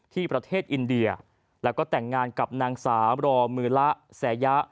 ที่ประเทศอินเดียแล้วก็แต่งงานกับนางสาวรอมือละแสยะ